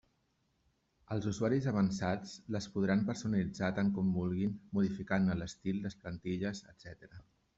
Els usuaris avançats les podran personalitzar tant com vulguin, modificant-ne l'estil, les plantilles, etc.